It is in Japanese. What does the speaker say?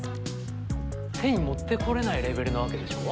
手に持ってこれないレベルなわけでしょ。